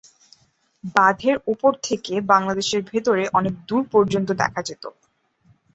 বাঁধের ওপর থেকে বাংলাদেশের ভেতরে অনেক দূর পর্যন্ত দেখা যেত।